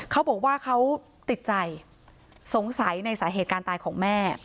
เขาบอกว่าเขาติดใจสงสัยในสาเหตุการณ์ตายของแม่